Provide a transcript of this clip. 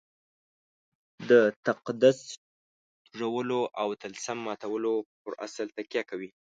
د تقدس توږلو او طلسم ماتولو پر اصل تکیه کوي.